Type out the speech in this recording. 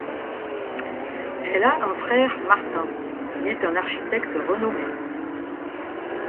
Elle a un frère, Martin, qui est un architecte renommé.